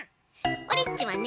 オレっちはね